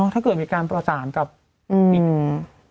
ถ้าเกิดมีการต่อสารกับอีก